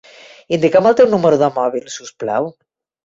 Indica'm el teu número de mòbil, si us plau.